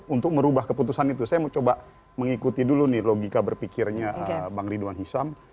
untuk merubah keputusan itu saya mau coba mengikuti dulu nih logika berpikirnya bang ridwan hisam